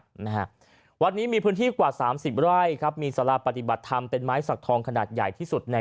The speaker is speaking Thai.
วัดนะฮะวัดนี้มีพื้นที่กว่าสามสิบไร่ครับมีสาราปฏิบัติธรรมเป็นไม้สักทองขนาดใหญ่ที่สุดใน